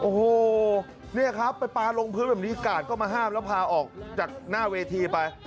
โอ้โหเนี่ยครับไปปลาลงพื้นแบบนี้กาดก็มาห้ามแล้วพาออกจากหน้าเวทีไป